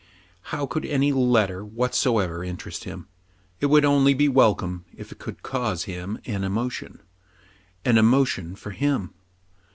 How could any letter whatsoever interest him } It would only be welcome if it could cause him an emotion. An emotion for him